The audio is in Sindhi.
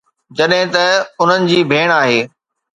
جڏهن ته انهن جي ڀيڻ آهي